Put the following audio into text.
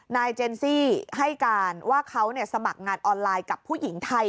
เจนซี่ให้การว่าเขาสมัครงานออนไลน์กับผู้หญิงไทย